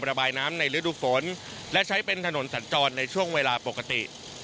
ระบายน้ำในฤดูฝนและใช้เป็นถนนสัญจรในช่วงเวลาปกติ